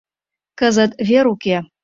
Кызыт вер уке.